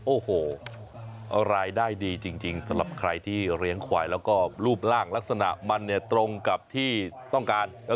โอ้โหรายได้ดีจริงสำหรับใครที่เลี้ยงควายแล้วก็รูปร่างลักษณะมันเนี่ยตรงกับที่ต้องการ